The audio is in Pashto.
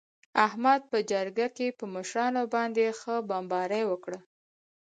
احمد په جرگه کې په مشرانو باندې ښه بمباري وکړه.